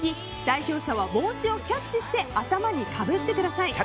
代表者は帽子をキャッチして頭にかぶってください。